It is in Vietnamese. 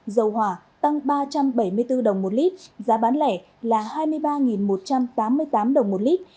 dầu hỏa tăng ba trăm bảy mươi bốn đồng một lít giá bán lẻ là hai mươi ba một trăm tám mươi tám đồng một lít